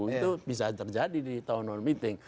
itu bisa terjadi di town hall meeting